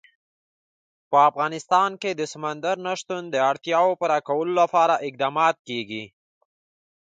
په افغانستان کې د سمندر نه شتون د اړتیاوو پوره کولو لپاره اقدامات کېږي.